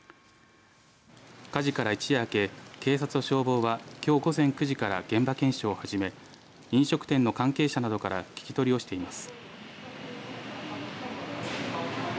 火事から一夜明け警察と消防は、きょう午前９時から現場検証を始め飲食店の関係者などから聞き取りをしています。